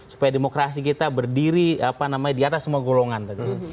supaya demokrasi kita berdiri di atas semua golongan